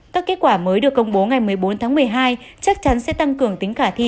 các kết quả mới được công bố ngày một mươi bốn tháng một mươi hai chắc chắn sẽ tăng cường tính khả thi